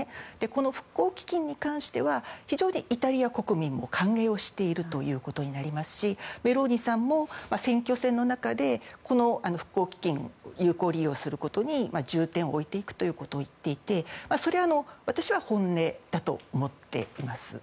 この復興基金に関しては非常にイタリア国民も歓迎をしているということになりますしメローニ氏も選挙戦の中でこの復興基金を有効利用することに重点を置いていくということを言っていてそれは私は本音だと思っています。